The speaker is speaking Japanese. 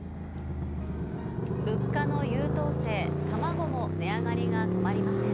物価の優等生・たまごも値上がりが止まりません。